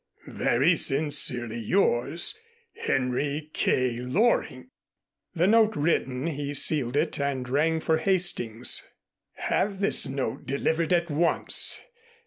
Very sincerely yours, HENRY K. LORING. The note written, he sealed it and rang for Hastings. "Have this note delivered at once.